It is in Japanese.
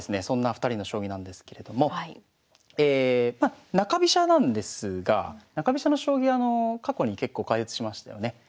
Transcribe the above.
そんな２人の将棋なんですけれどもまあ中飛車なんですが中飛車の将棋過去に結構解説しましたよね。